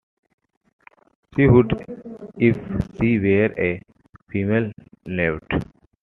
She would, if she were a female newt.